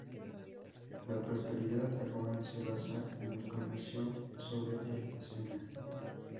La prosperidad de Ruan se basa en el comercio sobre el Sena.